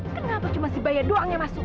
kenapa cuma si bahaya doang yang masuk